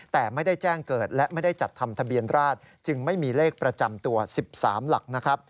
แต่ไม่ได้แจ้งเกิดและไม่ได้จัดทำทะเบียนราชจึงไม่มีเลขประจำตัว๑๓หลักนะครับ